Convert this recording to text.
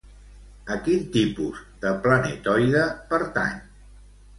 A quin tipus de planetoide pertany?